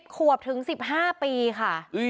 ขวบถึง๑๕ปีค่ะ